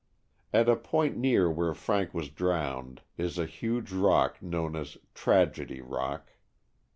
At a point near where Frank was drowned is a huge rock known as "Tragedy Rock."